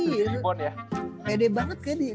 di playbond ya pede banget kayaknya